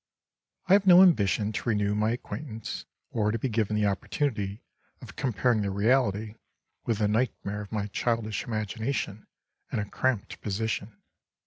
I have no ambition to renew my acquaintance, or to be given the opportunity of comparing the reality with the nightmare of my childish imagination and a cramped position.